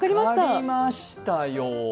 分かりましたよ。